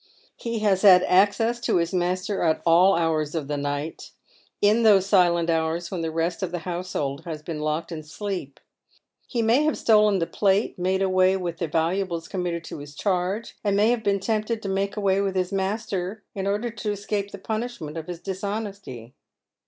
He has had access to his master at all hours of the night — in those silent hours when the rest of the household has been locked in sleep. Ha may have stolen the plate, made away with the valuables com mitted to his charge, and may have been tempted to make away with his master in order to escape the punishment of his dishonesty.